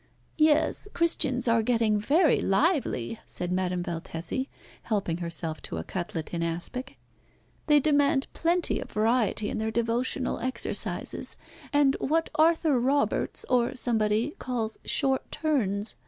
"Yes, Christians are getting very lively," said Madame Valtesi, helping herself to a cutlet in aspic. "They demand plenty of variety in their devotional exercises, and what Arthur Roberts, or somebody, calls 'short turns.'